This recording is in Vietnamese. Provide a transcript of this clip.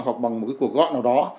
hoặc bằng một cuộc gọi nào đó